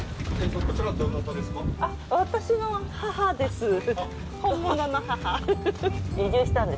私の母です。